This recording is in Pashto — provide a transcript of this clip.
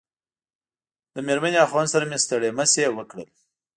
له مېرمنې او خاوند سره مې ستړي مشي وکړل.